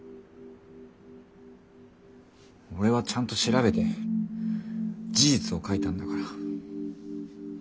俺はちゃんと調べて事実を書いたんだから。